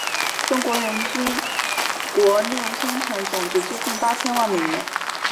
中国人均国内生产总值接近八千万美元。